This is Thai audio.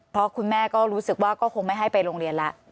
เพราะคุณแม่ก็รู้สึกว่าก็คงไม่ให้ไปโรงเรียนแล้ว